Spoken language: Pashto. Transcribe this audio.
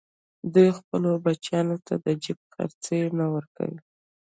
دوی خپلو بچیانو ته د جېب خرڅ نه ورکوي